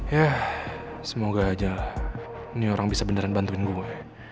yah semoga aja nih orang bisa beneran bantuin gue